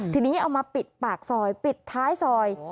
ทีนี้เอามาปิดปากซอยปิดท้ายซอย